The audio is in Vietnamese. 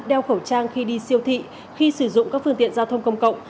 đeo khẩu trang khi đi siêu thị khi sử dụng các phương tiện giao thông công cộng